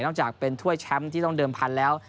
จากเป็นถ้วยแชมป์ที่ต้องเดิมพันธุ์แล้ว